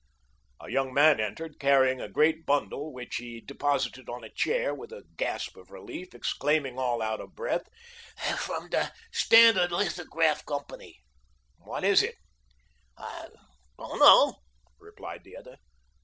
A young man entered, carrying a great bundle, which he deposited on a chair, with a gasp of relief, exclaiming, all out of breath: "From the Standard Lithograph Company." "What is?" "Don't know," replied the other.